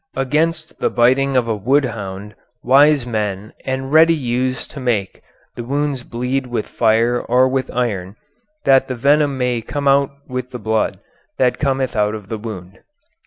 Against the biting of a wood hound wise men and ready use to make the wounds bleed with fire or with iron, that the venom may come out with the blood, that cometh out of the wound.